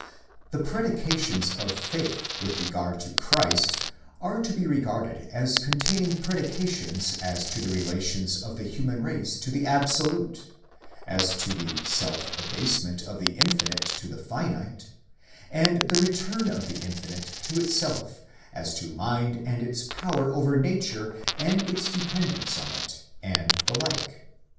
The predications of faith with regard to Christ are to be regarded as containing predications as to the relations of the human race to the Absolute, as to the self abasement of the Infinite to the Finite, and the return of the Infinite to itself, as to mind and its power over nature, and its dependence on it, and the like.